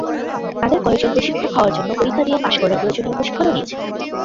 তাঁদের কয়েকজন প্রশিক্ষক হওয়ার জন্য পরীক্ষা দিয়ে পাস করে প্রয়োজনীয় প্রশিক্ষণও নিয়েছেন।